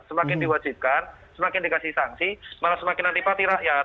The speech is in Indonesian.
semakin diwajibkan semakin dikasih sanksi malah semakin antipati rakyat